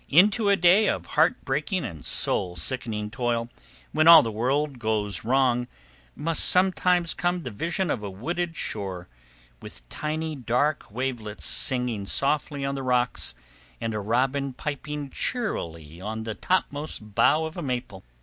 Into a day of heart breaking and soul sickening toil, when all the world goes wrong, must sometimes come the vision of a wooded shore, with tiny dark wavelets singing softly on the rocks and a robin piping cheerily on the topmost bough of a maple.